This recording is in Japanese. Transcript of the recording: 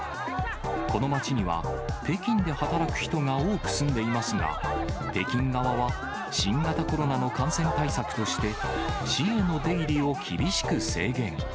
この町には、北京で働く人が多く住んでいますが、北京側は、新型コロナの感染対策として、市への出入りを厳しく制限。